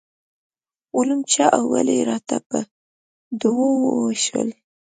علوم چا او ولې راته په دوو وویشل.